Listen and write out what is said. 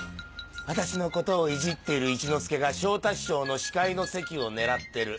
私のことをいじっている一之輔が昇太師匠の司会の席を狙ってる。